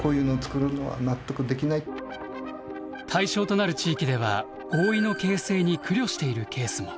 対象となる地域では合意の形成に苦慮しているケースも。